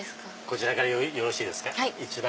こちらからよろしいですか？